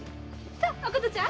さあお琴ちゃん！